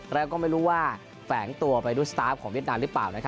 แล้วก็ไม่รู้ว่าแฝงตัวไปด้วยสตาฟของเวียดนามหรือเปล่า